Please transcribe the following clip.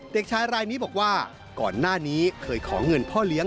เด็กชายรายนี้บอกว่าก่อนหน้านี้เคยขอเงินพ่อเลี้ยง